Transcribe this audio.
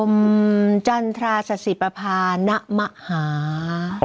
อมจันทราศสิทธิปภานมหา